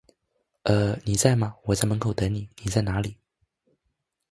呃…你在吗，我在门口等你，你在哪里？